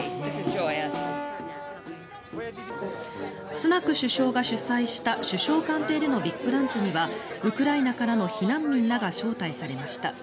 スナク首相が主催した首相官邸でのビッグランチにはウクライナからの避難民らが招待されました。